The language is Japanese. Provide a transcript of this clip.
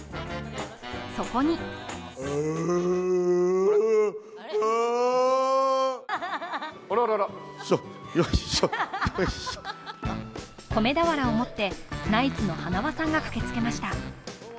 そこに米俵持って、ナイツの塙さんが駆けつけました。